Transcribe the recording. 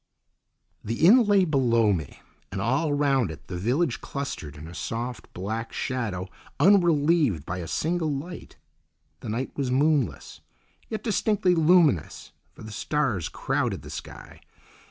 The inn lay below me, and all round it the village clustered in a soft black shadow unrelieved by a single light. The night was moonless, yet distinctly luminous, for the stars crowded the sky.